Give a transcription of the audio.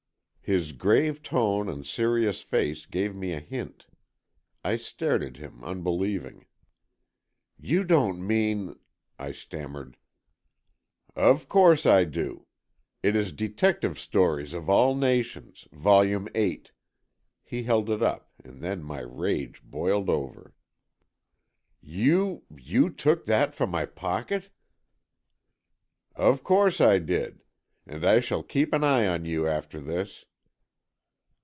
His grave tone and serious face gave me a hint. I stared at him, unbelieving. "You don't mean——" I stammered. "Of course I do. It is Detective Stories of All Nations, Volume VIII." He held it up, and then my rage boiled over. "You—you took that from my pocket!" "Of course I did. And I shall keep an eye on you after this.